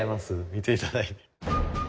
見ていただいて。